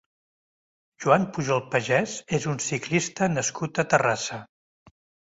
Joan Pujol Pagès és un ciclista nascut a Terrassa.